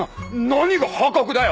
何が破格だよ！